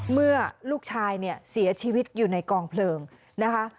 เมื่อลูกชายเนี่ยเสียชีวิตอยู่ในกองเพลิงนะคะ